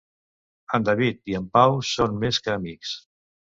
En David i en Pau són més que amics.